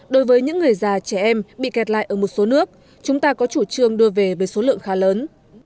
đối với những người già trẻ em bị kẹt lại ở một số nước chúng ta có chủ trương đưa về với số lượng khá lớn